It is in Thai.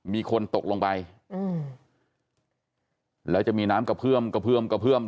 มีคนตกลงไปอืมแล้วจะมีน้ำกระเพื่อมกระเพื่อมกระเพื่อม